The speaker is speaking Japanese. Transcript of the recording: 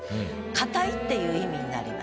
堅いっていう意味になります。